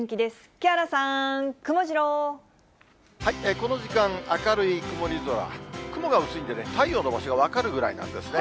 木原さん、この時間、明るい曇り空、雲が薄いんでね、太陽の場所が分かるぐらいなんですね。